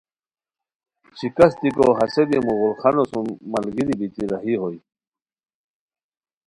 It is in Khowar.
شکست دیکو ہسے دی مغل خانو سوم ملگیری بیتی راہی ہونی